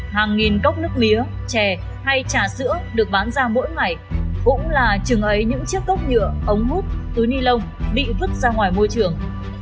hàng nghìn cốc nước mía chè hay trà sữa được bán ra mỗi ngày cũng là chừng ấy những chiếc cốc nhựa ống hút túi ni lông bị vứt ra ngoài môi trường